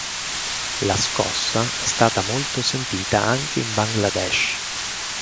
La scossa è stata molto sentita anche in Bangladesh.